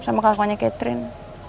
sama kelakunya catherine